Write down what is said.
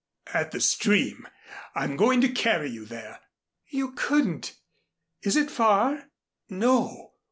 "At the stream. I'm going to carry you there." "You couldn't. Is it far?" "No.